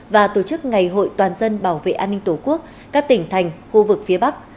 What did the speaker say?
và tổ chức ngày hội toàn dân bảo vệ an ninh tổ quốc các tỉnh thành khu vực phía bắc